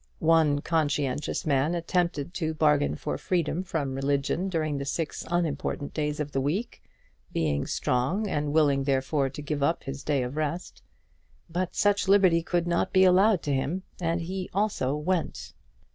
One conscientious man attempted to bargain for freedom from religion during the six unimportant days of the week, being strong, and willing therefore to give up his day of rest; but such liberty could not be allowed to him, and he also went.